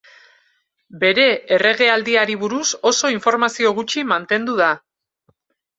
Bere erregealdiari buruz, oso informazio gutxi mantendu da.